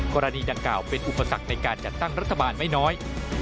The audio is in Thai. กรณีดังกล่าวเป็นอุปสรรคในการจัดตั้งรัฐบาลไม่น้อย